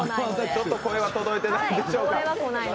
ちょっと声は届いてないでしょうか。